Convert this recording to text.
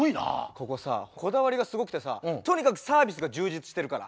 ここさこだわりがすごくてさとにかくサービスが充実してるから。